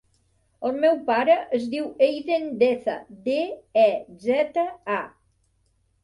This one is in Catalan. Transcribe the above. El meu pare es diu Eiden Deza: de, e, zeta, a.